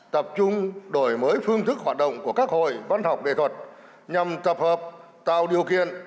tập trung đổi mới phương thức hoạt động của các hội văn học nghệ thuật nhằm tập hợp tạo điều kiện